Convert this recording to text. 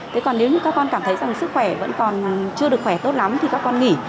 thế còn nếu như các con cảm thấy rằng sức khỏe vẫn còn chưa được khỏe tốt lắm thì các con nghỉ